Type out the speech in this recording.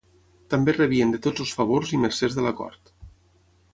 També rebien de tots els favors i mercès de la cort.